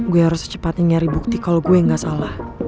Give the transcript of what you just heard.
gue harus secepatnya nyari bukti kalo gue gak salah